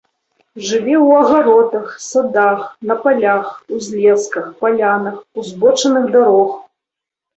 Жыве ў агародах, садах, на палях, узлесках, палянах, узбочынах дарог.